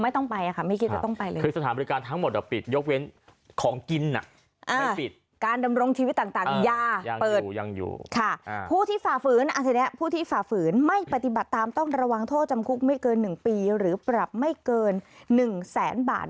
ต้องระวังโทษจำคุกไม่เกิน๑ปีหรือปรับไม่เกิน๑แสนบาท